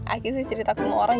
aki sih cerita ke semua orang